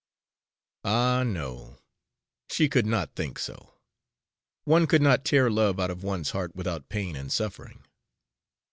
Ah, no! she could not think so. One could not tear love out of one's heart without pain and suffering.